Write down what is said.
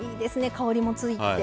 香りもついて。